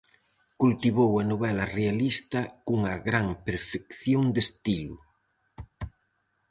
Cultivou a novela realista cunha gran perfección de estilo.